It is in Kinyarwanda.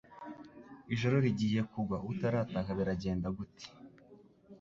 ijoro rigiye kugwa utarataha biragenda gute